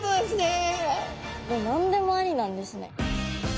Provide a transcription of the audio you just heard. もう何でもありなんですね。